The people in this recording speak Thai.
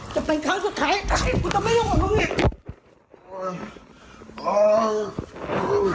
จะเป็นครั้งสุดท้ายกูจะไม่ยุ่งกับมึงอีก